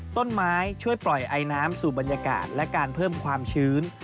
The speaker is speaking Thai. ต้นไม้ช่วยปล่อยไอน้ำสู่บรรยากาศและการเพิ่มความชื้น